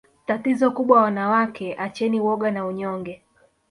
Tatizo kubwa wanawake acheni woga na unyonge